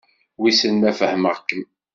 Wissen ma fehmeɣ-kem?